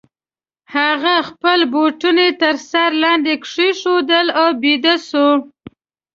هغه خپل بوټونه تر سر لاندي کښېښودل او بیده سو.